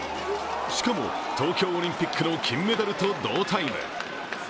しかも東京オリンピックの金メダルと同タイム。